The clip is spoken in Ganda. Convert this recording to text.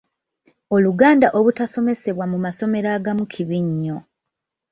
Oluganda obutasomesebwa mu masomero agamu kibi nnyo.